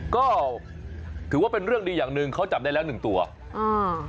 ก็ถือว่าเป็นเรื่องดีอย่างหนึ่งเขาจับได้แล้วหนึ่งตัวอ่า